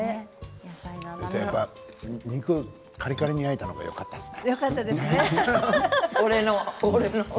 やっぱり肉をカリカリに焼いたのがよかったですね。